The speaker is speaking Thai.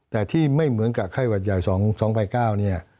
แต่ที่ไม่เหมือนกับไข้วัดใหญ่๒๐๐๙